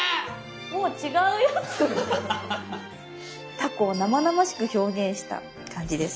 タコを生々しく表現した感じです。